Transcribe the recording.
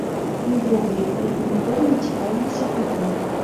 І ўвогуле, яны ніколі не цікавіліся гэтым.